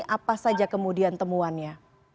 apa saja kemudian temuannya